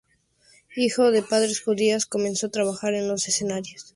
Hijo de padres judíos, comenzó a trabajar en los escenarios con diecinueve años.